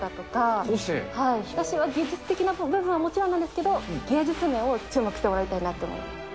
技術的な部分はもちろんなんですけど、芸術面を注目してもらいたいなと。